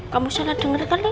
kamu salah denger kali